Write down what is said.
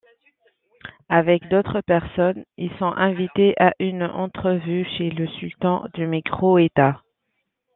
Avec d'autres personnes, ils sont invités à une entrevue chez le Sultan du micro-État.